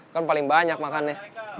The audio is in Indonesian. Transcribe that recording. kan paling banyak makannya